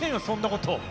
そんなこと。